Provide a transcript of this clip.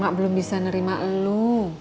mak belum bisa nerima lu